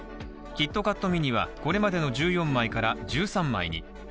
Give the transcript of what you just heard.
キットカットミニはこれまでの１４枚から１３枚に。